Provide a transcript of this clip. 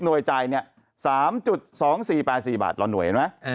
๐๑๕๐หน่วยจ่ายเนี่ย๓๒๔๘๔บาทเราหน่วยเหรอนะ